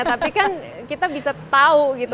tapi kan kita bisa tahu gitu